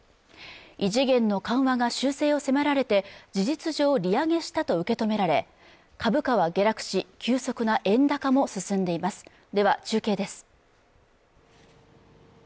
異次元の緩和が修正を迫られて事実上利上げしたと受け止められ株価は下落し急速な円高も進んでいますでは中継です